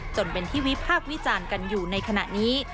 จนเป็นที่วิพากษ์วิจารณ์กันอยู่ในขณะนี้